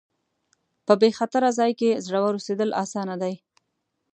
په بې خطره ځای کې زړور اوسېدل اسانه دي.